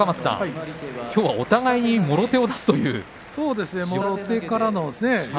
きょうはお互いにもろ手を出すという展開でしたね。